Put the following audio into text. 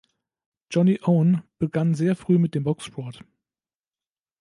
Johnny Owen begann sehr früh mit dem Boxsport.